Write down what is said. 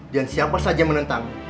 dan siapa saja menentang